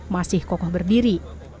masih kokoh berdiri